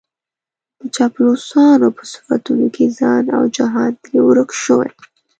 د چاپلوسانو په صفتونو کې ځان او جهان ترې ورک شوی.